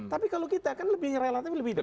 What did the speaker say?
tapi kalau kita kan lebih relatif lebih dalam